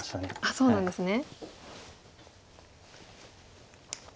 そうなんですね。